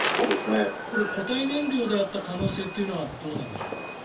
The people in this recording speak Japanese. これは固体燃料であった可能性はどうなんでしょう？